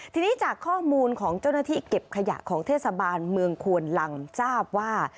ทีนี้จากข้อมูลของเจ้าหน้าที่เก็บขยะของเทศบาลเมืองควนลังทราบว่า